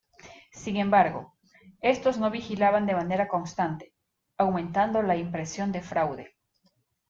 Sin embargo, estos no vigilaban de manera constante, aumentando la impresión de fraude.